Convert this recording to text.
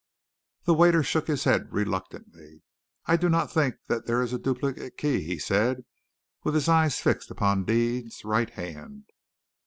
The waiter shook his head reluctantly. "I do not think that there is a duplicate key," he said, with his eyes fixed upon Deane's right hand.